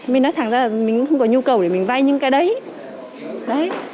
mình nói thẳng ra là mình không có nhu cầu để mình vay những cái đấy